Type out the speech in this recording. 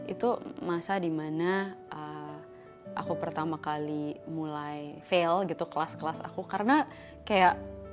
itu masa dimana aku pertama kali mulai fail gitu kelas kelas aku karena kayak